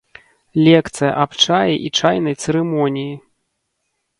Лекцыя аб чаі і чайнай цырымоніі.